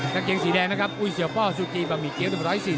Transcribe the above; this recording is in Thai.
แข่งสีแดงนะครับอุ้ยเสี่ยวป้อซูกรีปะหมี่เกี๊ยว๑๔๔